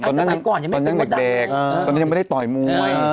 ตอนนั้นตอนนั้นยังเหลือเด็กตอนนั้นยังไม่ได้ต่อยมวย